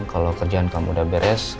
kalau kerjaan kamu udah beres